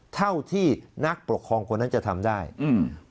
เท่าที่นักปกครองคนนั้นจะทำได้อืม